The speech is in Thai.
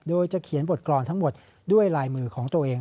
โดยจะเขียนบทกรอนทั้งหมดด้วยลายมือของตัวเอง